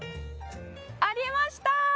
ありました！